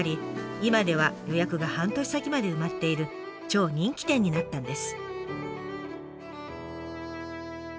今では予約が半年先まで埋まっている超人気店になったんです。